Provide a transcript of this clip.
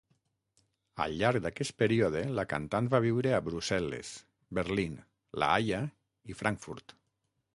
Al llarg d'aquest període la cantant va viure a Brussel·les, Berlín, La Haia i Frankfurt.